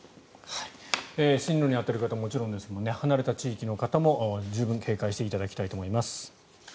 進路に当たる方ももちろんですが離れた地域の方も十分、警戒していただきたいと思います。